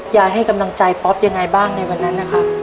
ให้กำลังใจป๊อปยังไงบ้างในวันนั้นนะครับ